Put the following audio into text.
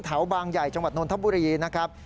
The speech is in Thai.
แถวบางใหญ่จังหวัดนทบุรีนะครับ